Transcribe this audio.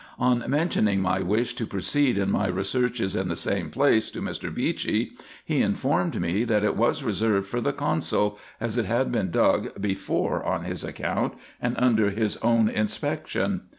On mentioning my wish to proceed in my researches in the same place to Mr. Beechey, he informed me, that it was reserved for the consul, as it had been dug before on his account and under his own inspection.